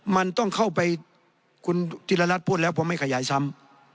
มันต้องเข้าไปคุณธิรรัฐพูดแล้วเพราะไม่ขยายซ้ำ